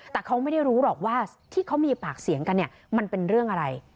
แต่เขาไม่ได้รู้หรอกว่าที่เขามีปากเสียงกันเนี่ยมันเป็นเรื่องอะไร